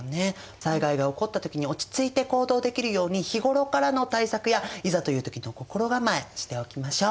災害が起こった時に落ち着いて行動できるように日頃からの対策やいざという時の心構えしておきましょう。